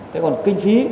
thế còn kinh phí